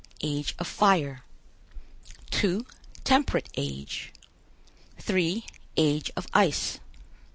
Age of Fire. 2. Temperate Age. 3. Age of Ice.